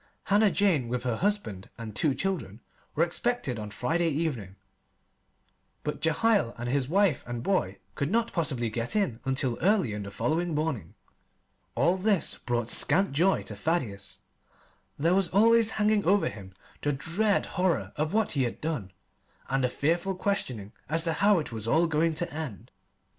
Hannah Jane, with her husband and two children, were expected on Friday evening; but Jehiel and his wife and boy could not possibly get in until early on the following morning. All this brought scant joy to Thaddeus. There was always hanging over him the dread horror of what he had done, and the fearful questioning as to how it was all going to end.